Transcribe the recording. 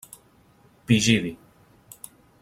Pigidi: